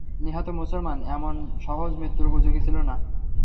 নিহত মুসলমান এমন সহজ মৃত্যুর উপযোগী ছিল না।